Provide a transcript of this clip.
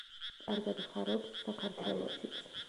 კარგად ხარობს საქართველოშიც.